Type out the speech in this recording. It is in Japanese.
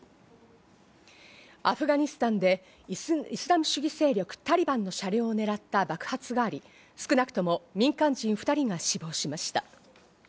アフガニスタンでイスラム主義勢力・タリバンの車両をねらった爆発があり、少なくとも民間人２人が死亡しました。